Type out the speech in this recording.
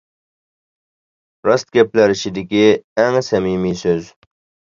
راست گەپلەر ئىچىدىكى ئەڭ سەمىمىي سۆز.